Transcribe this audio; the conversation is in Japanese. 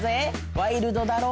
ワイルドだろ？